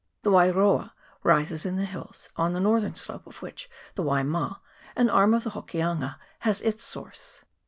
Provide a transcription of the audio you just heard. The Wairoa rises in the hills, on the northern slope of which the Waima, an arm of the Hokianga, has its source.